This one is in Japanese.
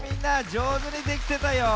じょうずにできてたよ。